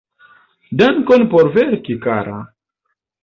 Dankon por verki, kara!